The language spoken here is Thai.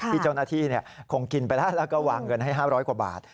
ที่เจ้าหน้าที่คงกินไปแล้วแล้วก็วางเงินให้๕๐๐กว่าบาท